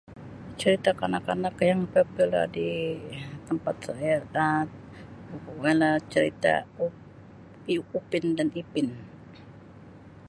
Cerita kanak-kanak yang popular di tempat saya Um [unintelligible] cerita Up Upin dan Ipin.